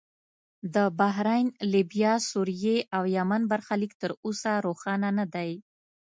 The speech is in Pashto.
د بحرین، لیبیا، سوریې او یمن برخلیک تر اوسه روښانه نه دی.